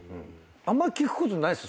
あんま聞くことないっす。